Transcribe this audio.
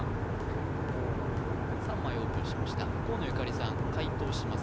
３枚オープンしました河野ゆかりさん解答しますか？